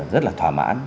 rất là thỏa mãn